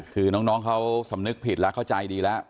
คือน้องเขาสำนึกผิดแล้วเข้าใจดีแล้ว